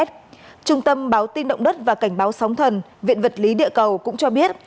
trung tâm báo tin động đất và cảnh báo sóng thần viện vật lý địa cầu cũng cho biết